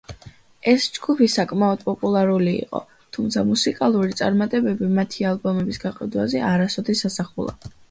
ეს ჯგუფი საკმაოდ პოპულარული იყო, თუმცა მუსიკალური წარმატებები მათი ალბომების გაყიდვაზე არასოდეს ასახულა.